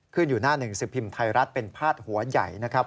อยู่หน้าหนึ่งสิบพิมพ์ไทยรัฐเป็นพาดหัวใหญ่นะครับ